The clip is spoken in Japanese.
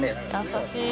優しい。